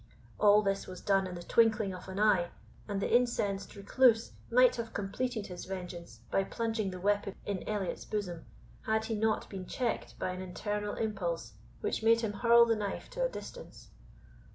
All this was done in the twinkling of an eye, and the incensed Recluse might have completed his vengeance by plunging the weapon in Elliot's bosom, had he not been checked by an internal impulse which made him hurl the knife to a distance.